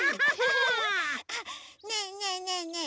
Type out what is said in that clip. あっねえねえねえねえ